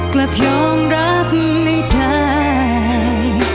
กลับยอมรับไม่ได้